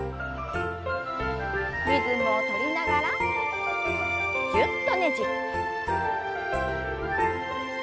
リズムを取りながらぎゅっとねじって。